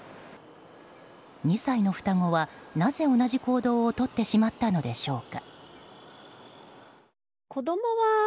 ２歳の双子はなぜ同じ行動をとってしまったのでしょうか。